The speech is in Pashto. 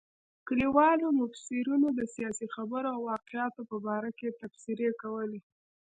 کلیوالو مبصرینو د سیاسي خبرو او واقعاتو په باره کې تبصرې کولې.